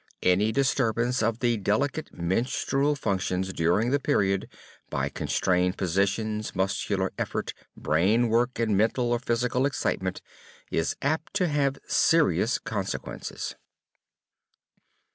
Any disturbance of the delicate menstrual functions during the period, by constrained positions, muscular effort, brain work and mental or physical excitement, is apt to have serious consequences.